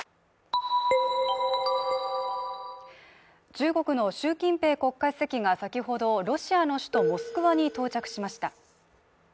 中国の習近平国家主席が先ほど、ロシアの首都モスクワに到着しました。